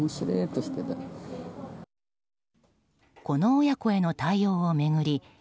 この親子への対応を巡り